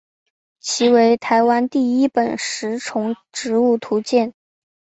其为台湾第一本食虫植物图鉴。